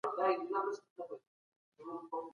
ازاده مطالعه د فکري خپلواکۍ لومړنی ګام دی.